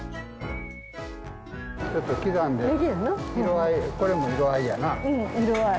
ちょっと刻んで、これも色合いやな。